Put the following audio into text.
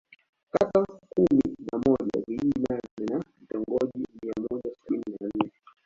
Kata kumi na moja vijiji nane na vitongoji mia moja sabini na nne